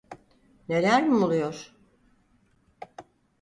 Neler mi oluyor?